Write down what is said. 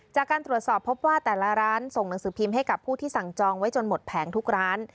จากการตรวจสอบพบว่าแต่ละร้านส่งหนังสือพิมพ์ให้กับผู้ที่สั่งจองไว้จนหมดแผงทุกร้าน